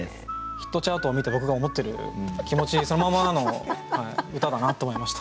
ヒットチャートを見て僕が思ってる気持ちそのままの歌だなと思いました。